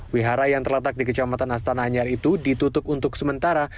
wihara yang terletak di kecamatan astana anyar itu ditutup untuk sementara